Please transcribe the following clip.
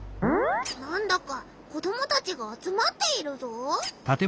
なんだか子どもたちがあつまっているぞ？